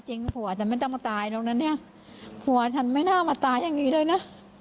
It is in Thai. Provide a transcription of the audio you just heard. ผัวฉันไม่ต้องมาตายแล้วนะเนี่ยผัวฉันไม่น่ามาตายอย่างนี้เลยนะ